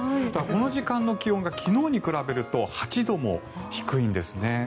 この時間の気温が昨日に比べると８度も低いんですね。